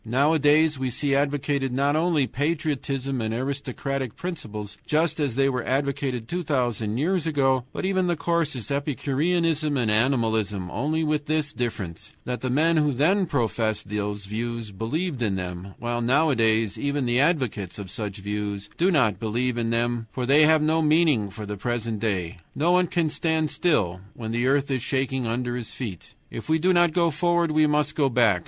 Nowadays we see advocated not only patriotism and aristocratic principles just as they were advocated two thousand years ago, but even the coarsest epicureanism and animalism, only with this difference, that the men who then professed those views believed in them, while nowadays even the advocates of such views do not believe in them, for they have no meaning for the present day. No one can stand still when the earth is shaking under his feet. If we do not go forward we must go back.